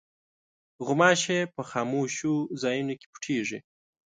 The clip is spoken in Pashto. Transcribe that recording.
غوماشې په خاموشو ځایونو کې پټېږي.